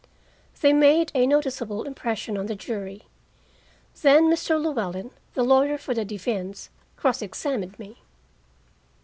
They made a noticeable impression on the jury. Then Mr. Llewellyn, the lawyer for the defense, cross examined me.